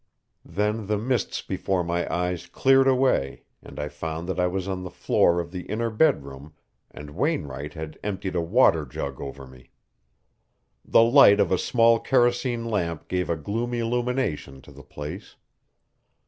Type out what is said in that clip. Then the mists before my eyes cleared away, and I found that I was on the floor of the inner bedroom and Wainwright had emptied a water jug over me. The light of a small kerosene lamp gave a gloomy illumination to the place.